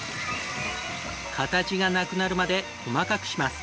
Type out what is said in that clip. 形がなくなるまで細かくします。